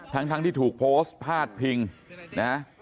ทั้งที่ถูกโพสต์พาดพิงนะ